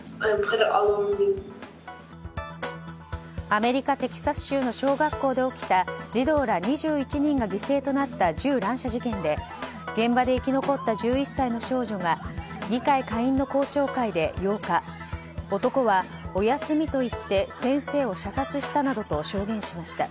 アメリカ・テキサス州の小学校で起きた児童ら２１人が犠牲となった銃乱射事件で現場で生き残った１１歳の少女が議会下院の公聴会で８日男はおやすみと言って先生を射殺したなどと証言しました。